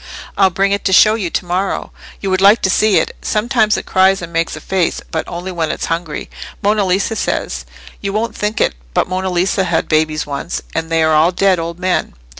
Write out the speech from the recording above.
I'll bring it to show you to morrow. You would like to see it. Sometimes it cries and makes a face, but only when it's hungry, Monna Lisa says. You wouldn't think it, but Monna Lisa had babies once, and they are all dead old men.